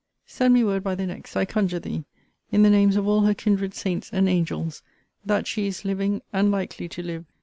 Send me word by the next, I conjure thee, in the names of all her kindred saints and angels, that she is living, and likely to live!